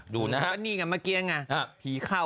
ดูนะครับนี่ไงเมื่อกี้อย่างไรพีเข้า